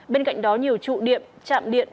bên cạnh đó nhiều trụ điện trạm điện